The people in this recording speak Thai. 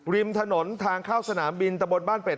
ริมถนนทางเข้าสนามบินตะบนบ้านเป็ด